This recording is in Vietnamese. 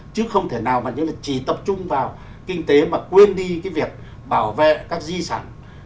chứ không thể nào mà như là chỉ tập trung vào kinh tế mà quên đi cái việc bảo vệ các di sản